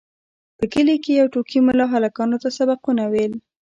په کلي کې یو ټوکي ملا هلکانو ته سبقونه ویل.